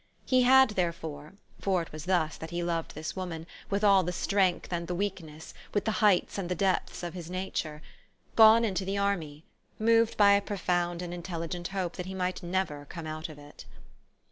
He had, therefore, for it was thus that he loved this woman, with all the strength and the weakness, with the heights and the depths, of his nature, gone into the army, moved by a profound and intel ligent hope, that he might never come out of it.